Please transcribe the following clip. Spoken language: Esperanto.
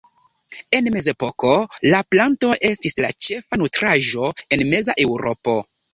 En mezepoko la planto estis la ĉefa nutraĵo en meza Eŭropo.